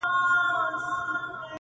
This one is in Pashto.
چي د خپلې ناکامۍ په پرتله